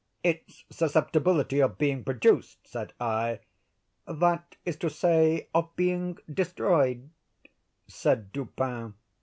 "Its susceptibility of being produced?" said I. "That is to say, of being destroyed," said Dupin.